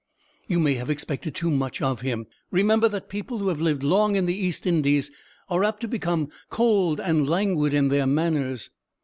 You may have expected too much of him. Remember, that people who have lived long in the East Indies are apt to become cold and languid in their manners.